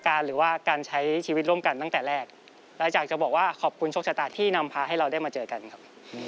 และอยากจะบอกว่าขอบคุณโชคชะตาที่นำพาให้เราได้มาเจอกันครับ